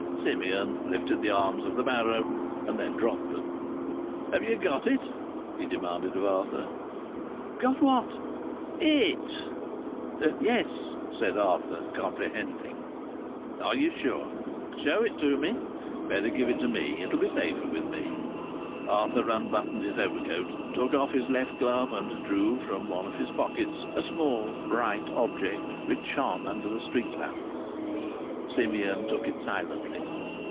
Simeon lifted the arms of the barrow, and then dropped them. "Have you got it?" he demanded of Arthur. "Got what?" "It." "Yes," said Arthur, comprehending. "Are you sure? Show it me. Better give it me. It will be safer with me." Arthur unbuttoned his overcoat, took off his left glove, and drew from one of his pockets a small, bright object, which shone under the street lamp. Simeon took it silently.